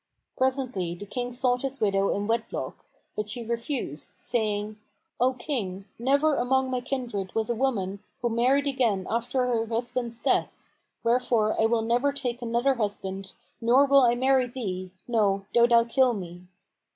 Presently the King sought his widow in wedlock; but she refused, saying, "O King, never among my kindred was a woman who married again after her husband's death; wherefore I will never take another husband, nor will I marry thee, no, though thou kill me."